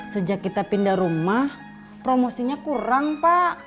sejak kita pindah rumah promosinya kurang pak